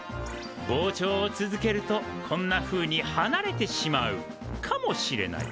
膨張を続けるとこんなふうにはなれてしまうかもしれない。